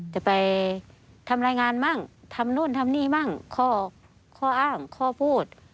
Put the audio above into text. จะไปทำรายงานมั่งทำนู่นทำนี่มั่งข้ออ้างข้อพูด